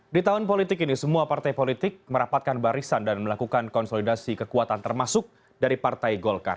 di tahun politik ini semua partai politik merapatkan barisan dan melakukan konsolidasi kekuatan termasuk dari partai golkar